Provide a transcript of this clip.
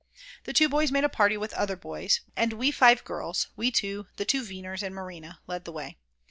The two boys made a party with other boys, and we five girls, we 2, the 2 Weiners, and Marina, led the way.